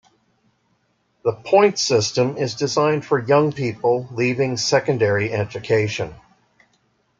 The points system is designed for young people leaving secondary education.